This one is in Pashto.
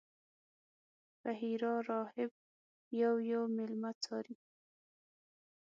بحیرا راهب یو یو میلمه څاري.